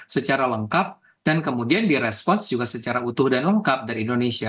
secara lengkap dan kemudian direspons juga secara utuh dan lengkap dari indonesia